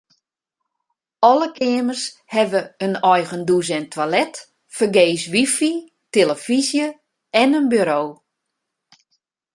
Alle keamers hawwe in eigen dûs en toilet, fergees wifi, tillefyzje en in buro.